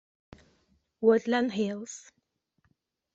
Woodland Hills